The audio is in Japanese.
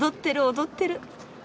踊ってる！